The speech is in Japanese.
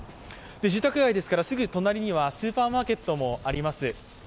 住宅街ですからすぐ隣にはスーパーマーケットもあります。